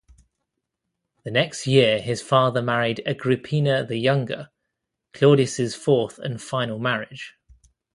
The next year, his father married Agrippina the Younger, Claudius' fourth and final marriage.